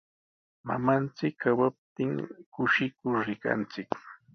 Mamanchik kawaptin kushikur rikanchik.